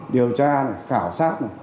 điều tra khảo sát